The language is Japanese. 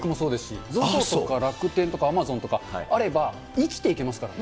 ＺＯＺＯとか楽天とかアマゾンとかあれば生きていけますからね。